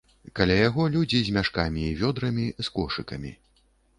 Каля яго людзі з мяшкамі і вёдрамі, з кошыкамі.